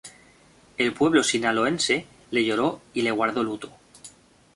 El pueblo sinaloense le lloró y le guardó luto.